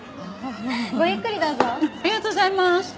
ありがとうございます。